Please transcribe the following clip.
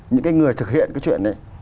những người thực hiện cái chuyện ấy